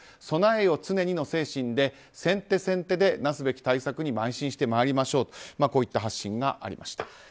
備えよ常にの精神で、先手先手でなすべき対策にまい進してまいりましょうとこういった発信がありました。